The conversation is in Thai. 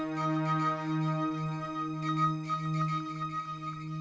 โปรดติดตามตอนต่อไป